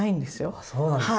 あそうなんですね。